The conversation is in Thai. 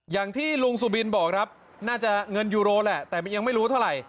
อย่างที่ลุงสุบินบอกครับน่าจะเงินยูโรแหละแต่ยังไม่รู้เท่าไหร่